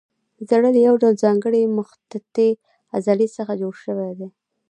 زړه له یو ډول ځانګړې مخططې عضلې څخه جوړ شوی.